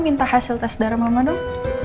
minta hasil tes darah mama dong